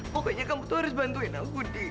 pokoknya kamu tuh harus bantuin aku di